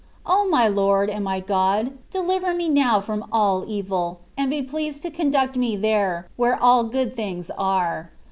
O my Lord and my God, deliver me now from all evil, and be pleased to conduct me there, where all good things are.